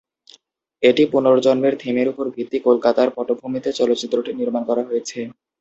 এটি পুনর্জন্মের থিমের উপর ভিত্তি কলকাতার পটভূমিতে চলচ্চিত্রটি নির্মাণ করা হয়েছে।